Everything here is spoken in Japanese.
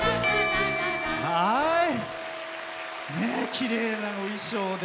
きれいなお衣装で。